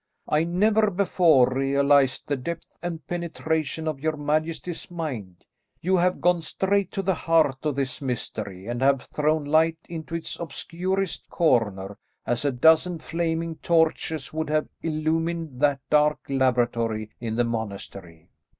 "I never before realised the depth and penetration of your majesty's mind. You have gone straight to the heart of this mystery, and have thrown light into its obscurest corner, as a dozen flaming torches would have illumined that dark laboratory in the Monastery.